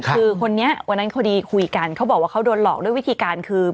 คือคนนี้วันนั้นพอดีคุยกันเขาบอกว่าเขาโดนหลอกด้วยวิธีการคือ